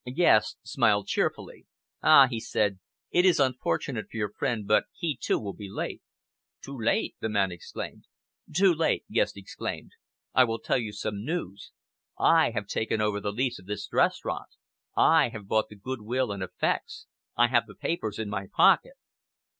Guest smiled cheerfully. "Ah!" he said, "it is unfortunate for your friend, but he will be too late!" "Too late!" the man exclaimed. "Too late!" Guest declared. "I will tell you some news. I have taken over the lease of this restaurant! I have bought the good will and effects. I have the papers in my pocket."